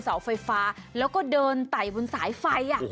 เสาไฟฟ้าแล้วก็เดินไต่บนสายไฟ